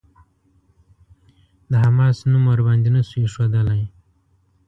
د «حماس» نوم ورباندې نه شو ايښودلای.